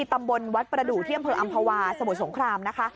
ตำบลวัดปรดุเที่ยมพลังอำภาวะสถวสงคราม